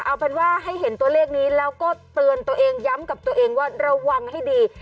เอาเป็นว่าให้เห็นตัวเลขนี้แล้วก็เตือนตัวเองย้ำกับตัวเองว่าระวังให้ดี